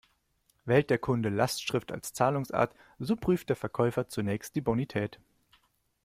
Wählt der Kunde Lastschrift als Zahlungsart, so prüft der Verkäufer zunächst die Bonität.